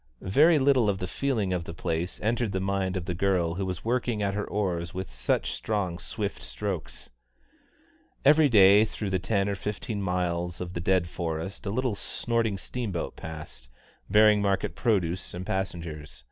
Very little of the feeling of the place entered the mind of the girl who was working at her oars with such strong, swift strokes. Every day through the ten or fifteen miles of the dead forest a little snorting steamboat passed, bearing market produce and passengers.